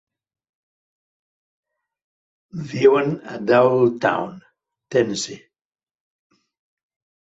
Viuen a Dowelltown, Tennessee.